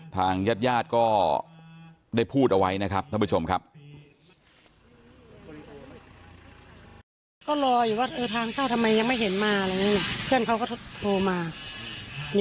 ทางญาติญาติก็ได้พูดเอาไว้นะครับท่านผู้ชมครับ